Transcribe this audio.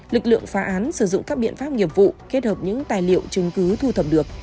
lực lượng phá án sử dụng các biện pháp nghiệp vụ kết hợp những tài liệu chứng cứ thu thập được